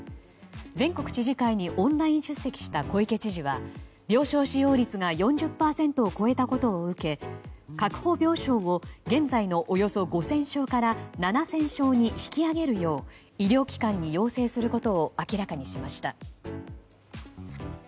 全国知事会にオンライン出席した小池知事は病床使用率が４０％を超えたことを受け確保病床を現在のおよそ５０００床から７０００床に引き上げるよう医療機関に要請することを明らかにしました。